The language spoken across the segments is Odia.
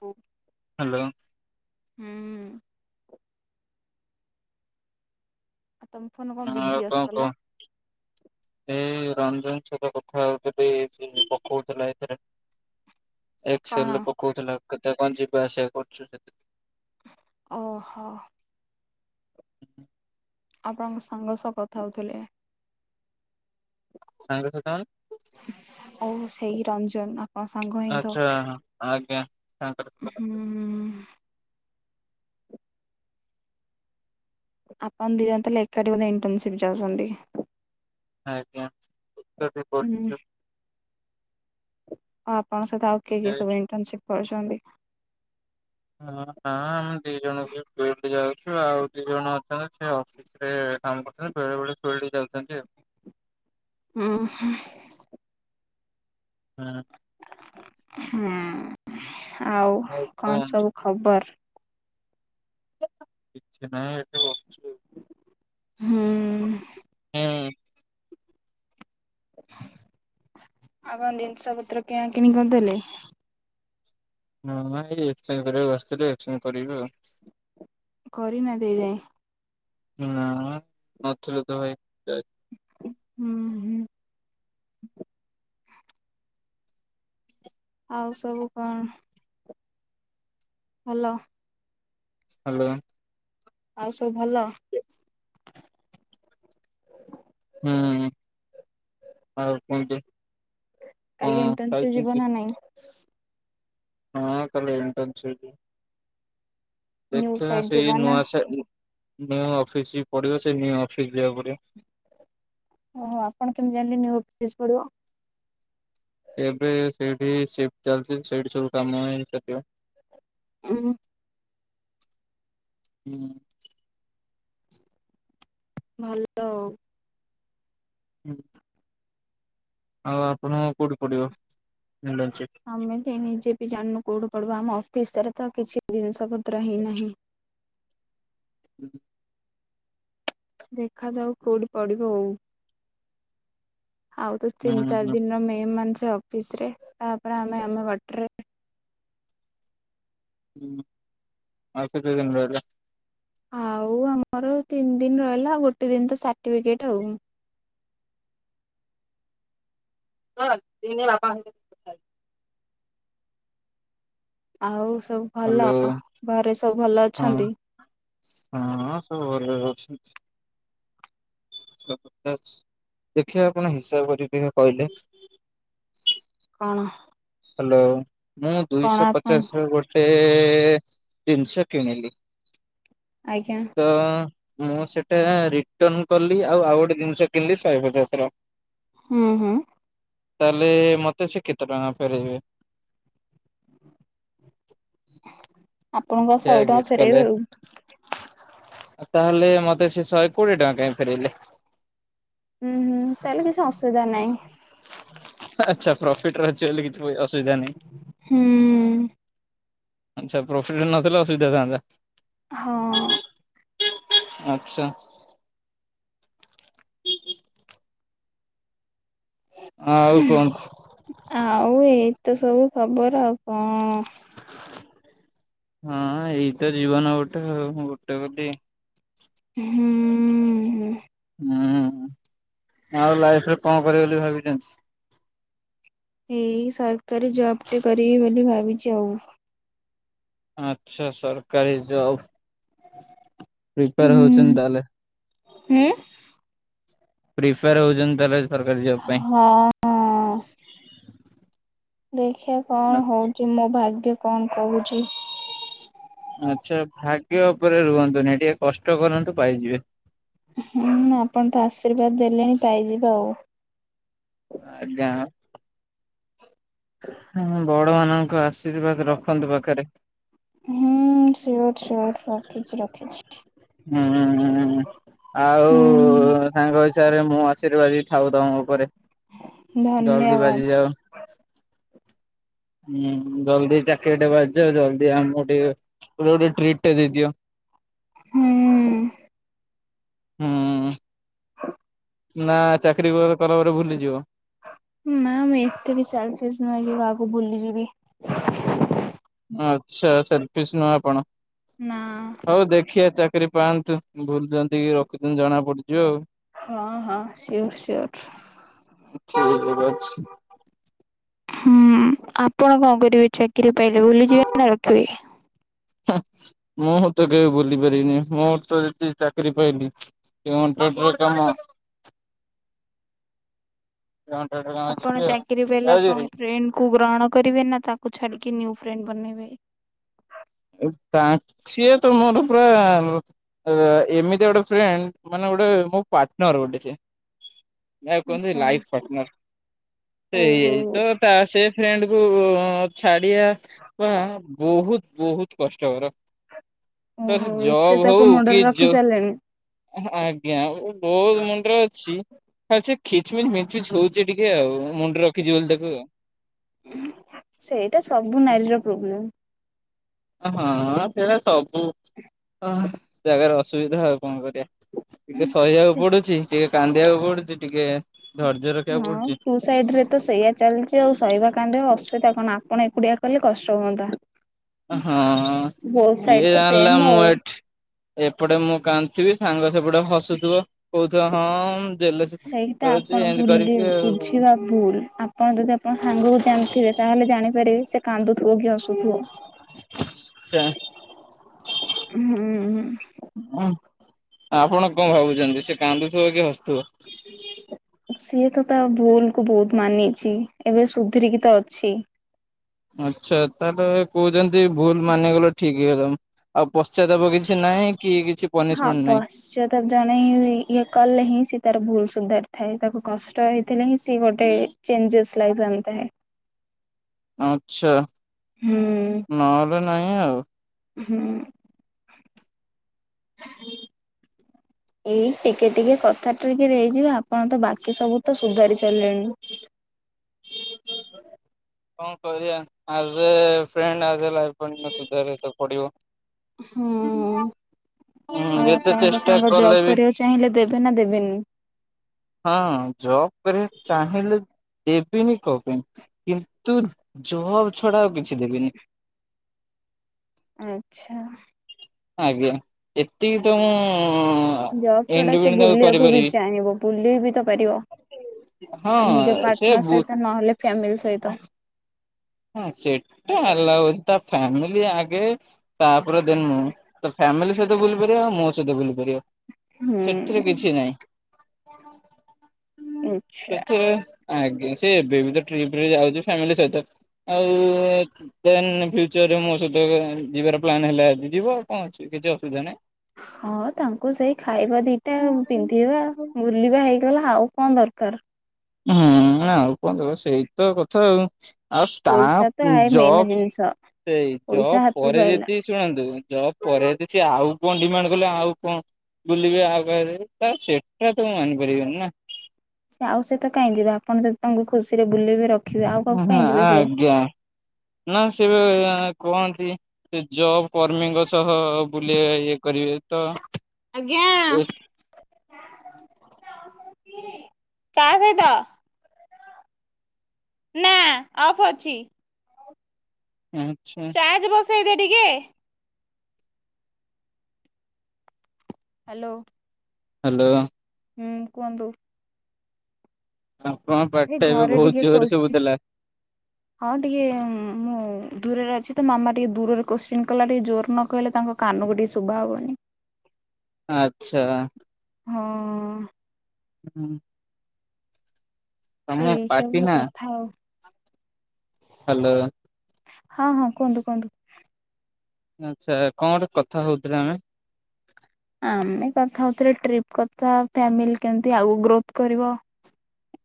ଓ ହ୍ୟାଲୋ ହୁଁ। ଆଉ ତମ ଫୋନ କଣ ବିଜି ଆସୁଥିଲା? ଏ ରଞ୍ଜନ ସହିତ କଥା ହେଉଥିଲି, ସେ ପକଉଥିଲା ଏଥିରେ ଏକ କଣ ସେଲରେ ପକଉଥିଲା, କେତେ କଣ ଯିବ ଆସିବା କରୁଛୁ ସେ ଓହ। ଆପଣଙ୍କ ସାଙ୍ଗ ସହ କଥା ହୋଉଥୁଲି। ସାଙ୍ଗ ସହିତ ଆଉ ସେଇ ରଞ୍ଜନ ହଁ ସାଙ୍ଗ ହିଁ ତ ଆଚ୍ଛା ହଁ ଆଜ୍ଞା ସାଙ୍ଗସାଥି ହୁଁ। ଆପଣ ଦିଜଣ ତାହେଲେ ଏକାଠି ବୋଧେ ଇଣ୍ଟର୍ନସିପ ଯାଉଚନ୍ତି? ଆଜ୍ଞା ଏକାଠି ହୁଁ ପଢଚୁ। ଆଉ ଆପଣଙ୍କ ସହିତ ଆଉ କିଏ ହଁ କିଏ ସବୁ ଇଣ୍ଟର୍ନସିପ କରୁଛନ୍ତି? ହଁ ନାଁ ଆମେ ଦିଜଣ ଯୋଉଠି ଯାଉ। ଚୁ ଆଉ ଦିଜଣ ଅଛନ୍ତି ସେ ଅଫିସରେ କାମ କରୁଛନ୍ତି ବେଳେ ବେଳେ [unintelligible] ଅଛନ୍ତି ଆ। ଅଁ ହଁ। ହୁଁ ଆଉ ହଉ କଣ କୁହନ୍ତୁ ସବୁ ଖବର? କିଛି ନାହିଁ ଏଠି ବସ ଛୁ ହୁଁ। ହୁଁ। ଆଉ କଣ ଜିନିଷପତ୍ର କିଣା କିିଣି କରଦେଲେ? ନାଁ ଏଇ ଏକ୍ସଚେଞ୍ଜ୍ କରିବାକୁ ଆସିଥିଲି ଏକ୍ସଚେଞ୍ଜ କରିବି ଆଉ। କରିନାହାନ୍ତି ଏଯାଏଁ? ନା ନଥିଲେ ତ ଭାଇ ଯାଇ ହୁଁ ହୁଁ। ଆଉ ସବୁ କଣ? ହାଲୋ? ହାଲୋ ଆଉ ସବୁ ଭଲ? ହୁଁ ଆଉ କୁହନ୍ତୁ? କଣ କାଲି ଇଣ୍ଟର୍ନସିପ ଯିବ ଖାଇଛନ୍ତି? ନା ନାଇଁ? ହଁ କାଲି ଏଣ୍ଟନସିପି ନ୍ୟୁ ଦେଖିଆ ସାଇଡ ଯିବ ସେଇ ନା ନୂଆ ସା ନୂଆ ଅଫିସି ପିଡିବ ସେଇ ନୂଆ ଅଫିସି ଯିବାକୁ ପଡିବ। ଓ ଆପଣ କେମିତି ଜାଣିଲେ ନୂଆ ଅଫିସ ପଡିବ? ଏବେ ସେଇଠି ସିଫ୍ଟ୍ ଚାଲିଚି ସେଇଠୁ ସବୁ କାମ ହେଇ ଚାଲିବ। ଉଁ ହୁଁ। ଭଲ ଆଉ। ହୁଁ। ଆଉ ଆପଣଙ୍କ କୋଉଠି ପଡିବ? ଇଣ୍ଟର୍ନସିପ? ଆମେ ତ ନିଜେ ବି ଜାଣିନୁ କୋଉଠୁ ପଡିବ ଆମ ଅଫିସରେ ତ କିଛି ଜିନିଷ ପ ପତ୍ର ହେଇନାହିଁ। [unintelligible] ଦେଖା ଯାଉ କୋଉଠି ପଡିବ ଆଉ। ଆଉ ତ ତିନି ଚାରି ହୁଁ ଦିନରେ ମେହେମାନ ସେ ଅଫିସରେ ତାପରେ ଆମେ ଆମ ବାଟରେ। ହୁଁ ଆ ସେଟା କେମ ରହିଲା? ଆଉ ଆମର ତିନି ଦିନ ରହିଲା ଗୋଟେ ଦିନ ତ ସଟିଫିକେଟ ଆଉ। ହଁ େ ବାପାଥା [inaudible] ଆଉ ସବୁ ଭଲ ହ୍ୟାଲୋ ଘରେ ସବୁ ଭଲ ଅଛନ୍ତି? ହଁ ହଁ ଭଲରେ ଅଛନ୍ତି। [unintelligible] ଅଛି ଦେଖିବା ଆପଣ ହିସାବ କରିକି କହିବା କହିଲେ କଣ ହାଲୋ ମୁଁ କଣ ଦୁଇଶ ଆପଣ ପଚାଶର ଗୋଟେ ଏ ଦିନଷ କିଣିଲି ଆଜ୍ଞା ତ ମୁଁ ସେଟା ରିଟର୍ଣ କଲି ଆଉ ଆଉ ଗୋଟେ ଜିନିଷ କିଣିଲି ଶହେ ପଚାଶ ର। ହୁଁ ହୁଁ। ତାହେଲେ ମତେ ସେ କେତେ ଟଙ୍କା ଫେରେଇବେ? ଆପଣଙ୍କ [unintelligible] ଶହେ ଟଙ୍କା ଫେରେଇବେ ତାହେଲେ ଆଉ। ମତେ ସେ ଶହେ କୋଡିଏ ଟଙ୍କା କାହିଁ ଫେରେଇଲେ? ହୁଁ ହୁଁ ତାହେଲେ କିଛି ଅସୁବିଧା ନାଇଁ। ଆଚ୍ଛା ପ୍ରଫିଟ୍ ରେ ଅଛି ବୋଲି କିଛି ଅସୁବିଧା ନାହିଁ। ହୁଁ। ଆଚ୍ଛା ପ୍ରଫିଟ ନଥିଲେ ଅସୁବିଧା ଥାନ୍ତା। ହଁ। ଆଚ୍ଛା। ଆଉ କୁହନ୍ତୁ ଆଉ ଏଇତ ସବୁ ଖବର ଆଉ କଣ ହଁ ଏଇ ତ ଜୀବନ ଗୋଟେ ଆଉ ଗୋଟେ ବୋଲି ହୁଁ । ହୁଁ ଆଉ ଲାଇଫରେ କଣ କରିବେ ବୋଲି ଭାବିଚନ୍ତି? ଏଇ ସରକାରୀ ଜବଟେ କରିବି ବୋଲି ଭାବିଚି ଆଉ। ଆଚ୍ଛା ସରକାରୀ ଜବ୍। ପ୍ରିପାର ହୁଁ। ହଉଚନ୍ତି ତାହେଲେ। ହୁଁ। ପ୍ରିପାୟର ହଉଚନ୍ତି ତା ହେଲେ? ହଁ। ଦେଖିଆ କଣ ହଉଚି ମୋ ଭାଗ୍ୟରେ କଣ କହୁଚି? ଆଚ୍ଛା ଭାଗ୍ୟ ଉପରେ ରୁହନ୍ତୁନି ଟିକେ କଷ୍ଟ କରନ୍ତୁ ପାଇଯିବେ। ହୁଁ ଆପଣ ତ ଆଶୀର୍ବାଦ ଦେଲେଣି ପାଇଯିବା ଆଉ। ଆଜ୍ଞା। ହଁ ବଡ ମାନଙ୍କ ଆଶୀର୍ବାଦ ରଖନ୍ତୁ ପାଖରେ। ସିଓର୍ ସିଓର୍ ରଖିଚି ରଖିଚି। ହୁଁଁ ଆଉ ହୁଁ ତାଙ୍କ ହିସାବରେ ମୁଁ ଆଶୀର୍ବାଦ ବି ଥାଉ ତମ ଉପରେ। ଜଲଦି ଧନ୍ୟବାଦ। ବାଜି ଯାଉ। [inaudible] ହୁଁ ଜଲଦି ଚାକିରି ଟେ ବାଜିଯାଉ ଜଲଦି ଆମକୁ ଟିକେ ଗୋଟେ ଟ୍ରିଟ୍ ଟେ ଦେଇଦିଅ। ହୁଁ। ହୁଁ ନା ଚାକିରୀ କଲା ପରେ ଭୁଲିଯିବ। ନା ମୁଁ ଏତେ ବି ସେଲଫିସ ନୁହେଁ କି କାହାକୁ ଭୁଲି ଯିବି। ଆଚ୍ଛା ସେଲଫିସି ନୁହେଁ ଆପଣ ନା। ହଉ ଦେଖିଆ ଚା କିରି ପାଆନ୍ତୁ ଭୁଲଚନ୍ତି କି ରଖୁଚନ୍ତି ଜଣା ପଡୁ ଯିବ ହଁ ହଁ ସିଓର ସିଓର ଆଉ [inaudible] ହୁଁ ଆପଣ କଣ କରିବେ ଚାକିରି ପାଇଲେ ଭୁଲିଯିବେ ନା ରଖିବେ? ମୁଁ ତ କେବେ ଭୁଲି ପାରିବିନି ମୋ ତ ଯଦି ଚାକିରି ପାଇଲି [unintelligible] କାମ କଣ୍ଟ୍ରାକ୍ଟର କାମ ଆପଣ ଯିବି ଆଉ। ଚାକିରି ପାଇଲେ ଆପଣଙ୍କ ଫ୍ରେଣ୍ଡକୁ ଗ୍ରହଣ କରିବେ ନା ତାକୁ ଛା କି ନିଉ ଫ୍ରେଣ୍ଡ ବନେଇବେ? ତା ସିଏତ ମୋର ପୁରା ଏମିତି ଗୋଟେ ଫ୍ରେଣ୍ଡ ମାନେ ଗୋଟେ ମୋ ପାର୍ଟନର ଗୋଟେ ସିଏ। ଯାହାକୁ କୁହନ୍ତି ଆଚ୍ଛା ଲାଇଫ ପାର୍ଟନର ଓହୋ ସେଇତ ତା ସେ ଫ୍ରେଣ୍ଡ କୁ ଛାଡିବା ପା ବହୁତ ବହୁତ କଷ୍ଟକର। ତ ସେ ଓହୋ ଏତେ ଜବ ତାକୁ ହଉ ମୁଣ୍ଡରେ କି ରଖି ଜୋ ସାରିଲେଣି। ଆଜ୍ଞା ବହୁତ ମୁଣ୍ଡରେ ଅଛି ୟାସେ ଖିଚମିଚ ମିଚମିଚ ହଉଛି। ଟିକେ ଆଉ ମୁଣ୍ଡରେ ରଖିଛି ବୋଲି ତାକୁ ଆଉ। ସେଇଟା ସବୁ ନାରୀର ପ୍ରୋବ୍ଲେମ ହଁ ସେଇଟା ସବୁ ଆହାଁ ଜାଗାରେ ଅସୁବିଧା ଆଉ କଣ କରିବା। ଟିକେ ଶହିବାକୁ ପଡୁଛି ଟିକେ କାନ୍ଦିବାକୁ ପଡୁଛି ଟିକେ ଧର୍ଯ୍ୟ ରଖିବାକୁ ପଡୁଛି। ଏୟା ଚାଲିଛି ଆଉ ସ ତାନ ନ୍ଦେହ ଅସୁବିଧା କଣ ଆପଣ ଏକୁଡିଆ କଲେ କଷ୍ଟ ହୁଅନ୍ତା। ହଁ ବୋଥ ସାଇଡ କିଏ ତ ଜାଣିଲା ସେମ ମୁଁ ଆଉ। ଏଠି ଏପଟେ ମୁଁ କାନ୍ଦୁଥିବି ସାଙ୍ଗ ସେପଟେ ହସୁଥିବ କହୁଥିବ ହଁ ଜେଲସି ସେଇଟା କରୁଛି ଆପଣ ଏମିତି ଭୁଲି କରିକି ଆଉ। ବୁଝିବା ଭୁଲ ଆପଣ ଯଦି ଆପଣ ସାଙ୍ଗକୁ ଜାଣିଥିବେ ତାହେଲେ ତାଲେ ଜାଣିପାରିବେ ସେ କାନ୍ଦୁଥିବ କି ହସୁଥିବ। ହୁଁ ହୁଁ। ଆପଣ କଣ ଭାବୁଛନ୍ତି ସେ କାନ୍ଦୁଥିବ କି ହସୁଥିବ? ସିଏ ତ ତା ଭୁଲ କୁ ବହୁତ ମାନିଛି ଏବେ ସୁଧରିକି ତ ଅଛି। ଆଚ୍ଛା ତାହେଲେ କହୁଛନ୍ତି ଭୁଲ ମାନିଗଲେ ଠିକ ହେଇଥାନ୍ତା। ଆଉ ପଶ୍ଚ୍ଯାତାପ କିଛି ନାହିଁ କି କିଛି ହଁ ପନିସମେଣ୍ଟ ନାହିଁ ପଶ୍ଚ୍ଯାତାପ ଜଣେ ଇ ଇଏ କଲେ ହିଁ ସେ ତାର ଭୁଲ ସୁଧାରି ଥାଏ ତାକୁ କଷ୍ଟ ହେଇଥିଲେ ହିଁ ସିଏ ଗୋଟେ ଚେଞ୍ଜେସେ ଲାଇଫ ରେ ଆଣି ଥାଏ। ଆଛା ନହେଲେ ନାହିଁ ଆଉ। ହୁଁ। ଏଇ ଟିକେ ଟିକେ କଥା ଟ୍ରିକ ହେଇଯିବେ ଆପଣ ତ ବାକି ସବୁ ତ ସୁଧାରି ସାରିଲେଣି। [unintelligible] କଣ କରିବା ଆଜଏ ଫ୍ରେଣ୍ଡ ଆଜଏ ଲାଇଫପାର୍ଟନର ସୁଧାରିବାକୁତ ପଡିିବ। ହୁଁ। ହୁଁ ଆଉ ଯେତେ ଆପଣଙ୍କ ଚେଷ୍ଟା ସାଙ୍ଗ କଲେ ଜବ ବି କରିବାକୁ ଚାହିଁଲେ ଦେବେ ନା ଦେବେନି। ହଁ ଜବ କରବାକୁ ଚାହିଁଲେ ଦେବିିନି କଣ ପାଇଁ କିନ୍ତୁ ନ୍ତୁ ଜବ ଛଡା ଆଉ କିଛି ଦେବିନି। ଆଚ୍ଛା। ଆଜ୍ଞା ଏତିକି ତ ମୁଁ ଜବ ଛଟା ସେ ଇଣ୍ଡିପେଣ୍ଡେଣ୍ଟ ବୁଲିବାକୁ ବି କରିପାରିବି ଚାହିଁବ ବୁଲେଈ ବିିତ ପାରିବ। ହଁ ନିଜ ସେ ପାର୍ଟନର ବୁ ସହିତ ନହେଲେ ଫ୍ୟାମିଲି ସହିତ। ହଁ ସେଟା ଆଲାଉ ଅଛି ତା ଫ୍ୟାମିଲି ଆଗେ ତାପରେ ଦେନ୍‌ ମୁଁ। ଫ୍ୟାମିଲି ସହିତ ବୁଲି ପାରିବା ଆଉ ମୋ ସହିତ ବୁଲି ପାରିବ। ସେଥିରେ କିଛି ହୁଁ। ନାଇଁ। ଆଜ୍ଞା ସେ ଏବେ ବି ତ ଟ୍ରିପ ରେ ଯାଉଛି ଫ୍ୟାମିଲୀ ସହିତ। ଆଉ ଦେନ୍ ଫିୟୁଚରରେ ମୋ ସହିତ ଯିବାର ପ୍ଲାନ୍ ହେଲେ ଯିବ ଆଉ କଣ ଅଛି। କିଛି ଅସୁବିଧା ନାହିଁ। ହଁ ତାଙ୍କୁ ସେଇ ଖାଇବା ଦିଟା ପିନ୍ଧିବା ବୁଲିବା ହେଇ ହେଲା ଆଉ କଣ ଦରକାର। ହୁଁ ନା ଆଉ କଣ ଦେବ ସେଇତ କଥା ଆଉ। ଆଉ ତା ପଇସା ତ ଆଏ ଜବ ମେନ୍ ଜିନିଷ ସେଇ ପଇସା ଜବ୍ ହାତକୁ ପରେ ଆଇଲା। ଯେତିକି ଶୁଣନ୍ତୁ ଜବ ପରେ ଯଦି କିଛି ସେ ଆଉ କଣ ଡିମାଣ୍ଡ କଲେ ଆଉ କଣ ବୁଲିବି ଆଗରେ ତ ସେଟା ତ ମନିପାରିବନି ନା। ସେ ଆଉ ସହିତ କାଇ ଯିବେ ଯଦି ଆପଣ ତାଙ୍କୁ ଖୁସି ରେ ବୁଲେଇବେ ର ହ ହ ଆଜ୍ଞା ନା ସେ କୁହନ୍ତି ସେ ଜବ୍ କର୍ମୀଙ୍କ ସହ ବୁଲିବେ ଇଏ କରିବେ ତ କା ସହିତ? ନା ଅଫ୍ ଅଛି। ଆଛା। ସେଇଟା ଟିକେ ହ୍ୟାଲୋ। ହ୍ୟାଲୋ। ହୁଁ କୁହନ୍ତୁ। ଆପଣଙ୍କ ଏ ପାଟିଟା ଏବେ ଘରେ ବହୁତ ଟିକେ ଜୋରରେ ଖସଛି ଶୁଭୁଥିଲା। ହଁ ଟିକେ ମୁଁ ଦୂରରେ ଅ କିଛି ତ ମାମା ଟିକେ ଦୂରରେ କୋଶ୍ଚିନ୍ କଲା ଟିକେ ଜୋର ନ କହିଲେ ତାଙ୍କ କାନକୁ ଟିକେ ଶୁଭା ହବନି। ଆଚ୍ଛା। ହଁ। ହୁଁ। ଏଇ ପାଟି ସବୁ କଥା ଆଉ। ହାଲୋ। ହଁ ହଁ କୁହନ୍ତୁ କୁହନ୍ତୁ। ଆଚ୍ଛା କଣ ଗୋଟେ କଥା ହଉଥିଲେ ଆମେ। ଆମେ କଥା ହଉଥିଲେ ଟ୍ରିପ୍ କଥା ଫ୍ୟାମିଲି କେମତି ଆଗକୁ ଗ୍ରୋଥ କରିବ।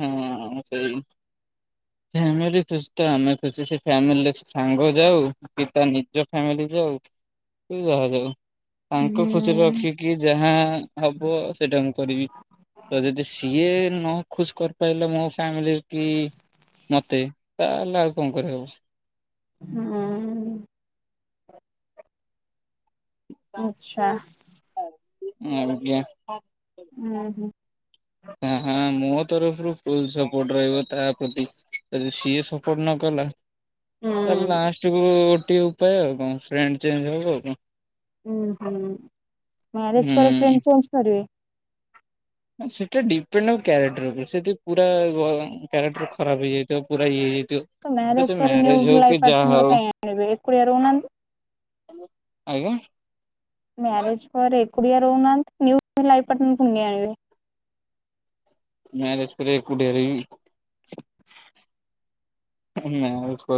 ହଁ ସେଇ ଫ୍ୟାମିଲି ଖୁସି ତ ଆମେ ଖୁସି ସେ ଫ୍ୟାମିଲୀ ରେ ସାଙ୍ଗ ଯାଉ କି ତା ନିଜ ଫ୍ୟାମିଲି ଯାଉ କି ଯାହା ଯାଉ ହୁଁ ତାଙ୍କୁ ଖୁସିରେ ରଖିକି ଯାହା ହବ ସେଇଟା ମୁଁ କରିବି ତ ଯଦି ସିଏ ନ ଖୁସି କରିପାରିଲ ମୋ ଫ୍ୟାମିଲି କି ମତେ ତାହେଲେ ଆଉ କଣ କରିହବ। ହୁଁ ଆଛା। ଆ ହୁଁ ହୁଁ। ଆ ହା ମୋ ତରଫରୁ ଫୁଲ ସପୋର୍ଟ ରହିବ ତା ପ୍ରତି ଯଦି ସିଏ ସପୋର୍ଟ ନ କଲା। ହୁଁ ତାହାଲେ ଲାଷ୍ଟ କୁ ଗୋଟିଏ ଉପାୟ ଆଉ କଣ ଫ୍ରେଣ୍ଡ ଚେଞ ହବ ଆଉ କଣ? ହୁଁ ହୁଁ ମ୍ୟାରେଜ ପରେ ହୁଁ। ଫ୍ରେଣ୍ଡ୍ ଚେଞ୍ଜ କରିବେ? ସେଟା ଡିପେଣ୍ଡ କ୍ୟାରେକ୍ଟର ଉପରେ ସେ ଯଦି ପୁରା କ୍ୟାରେକ୍ଟର ଖରାପ ହେଇଯାଇଥିବ ପୁରା ଇଏ ହେଇଯାଇ ତ ମ୍ୟାରେେଜ୍ ପରେ ନ୍ୟୁ ଲାଇଫ୍ ପାର୍ଟନର ହଉ କାଇଁ ଆନିବେ ଏକୁଟିଆ ରହୁନାହାନ୍ତି। ଆଜ୍ଞା। ମ୍ୟାରେଜ ପରେ ଏକୁଟିଆ ରହୁନାହାନ୍ତି ନିୟୁ ଲାଇଫ ପାର୍ଟନର ପୁଣି କାଇଁ ଆଣିବେ? ମ୍ୟାରଜ୍ ପରେ ଏକୁଟିଆ ରହିବି। ମ୍ୟାରେଜ୍ କରି